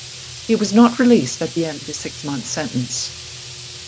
He was not released at the end of his six month sentence.